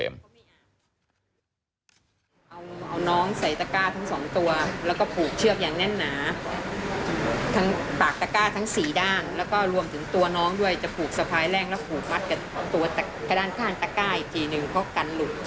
เอาน้องใส่ตะก้าทั้งสองตัวแล้วก็ผูกเชือกอย่างแน่นหนาทั้งปากตะก้าทั้งสี่ด้านแล้วก็รวมถึงตัวน้องด้วยจะผูกสะพายแรกแล้วผูกมัดกับตัวด้านข้างตะก้าอีกทีหนึ่งเพราะกันหลุด